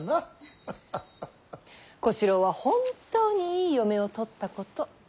小四郎は本当にいい嫁を取ったこと。